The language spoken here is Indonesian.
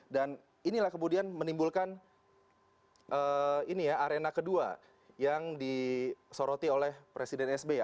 dan inilah kemudian menimbulkan ini ya arena kedua yang disoroti oleh presiden sba